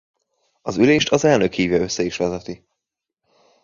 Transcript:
Az ülést az elnök hívja össze és vezeti.